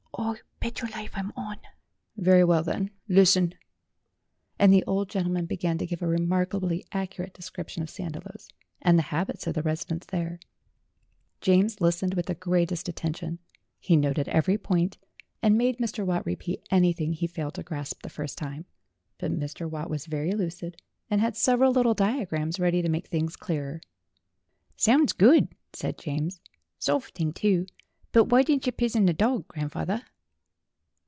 "O bet your life, I'm on!" "Very well, then; listen." And the old gentleman began to give a remarkably accurate description of Sandiloes, and the habits of the residents there. James listened with the greatest attention. He noted every point and made Mr. Watt repeat anything that he failed to grasp the first time. But Mr. Watt was very lucid, and had several little diagrams ready to make things clearer. "Sounds good," said James. "Soft thing, too. But why didn't yer pizun the dog, grandf awther